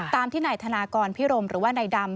ตามที่นายธนากรพิรมหรือว่านายดำ